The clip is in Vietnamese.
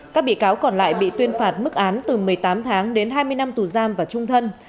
các bị cáo còn lại bị tuyên phạt mức án từ một mươi tám tháng đến hai mươi năm tù giam và trung thân